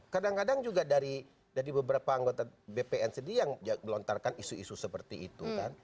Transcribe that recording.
kadang kadang juga dari beberapa anggota bpn sendiri yang melontarkan isu isu seperti itu